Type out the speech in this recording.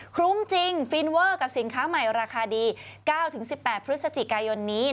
รุ้งจริงฟินเวอร์กับสินค้าใหม่ราคาดี๙๑๘พฤศจิกายนนี้